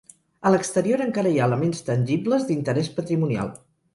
A l'exterior encara hi ha elements tangibles d'interès patrimonial.